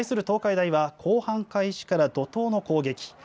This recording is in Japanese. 東海大は、後半開始から怒とうの攻撃。